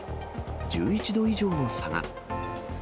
１１度以上の差が。